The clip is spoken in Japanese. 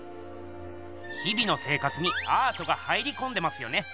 日々の生活にアートが入りこんでますよね。